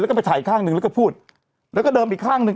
แล้วก็ไปถ่ายอีกข้างหนึ่งแล้วก็พูดแล้วก็เดิมอีกข้างหนึ่ง